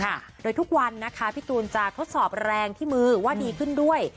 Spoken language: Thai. ค่ะโดยทุกวันนะคะพี่ตูนจะทดสอบแรงที่มือว่าดีขึ้นด้วย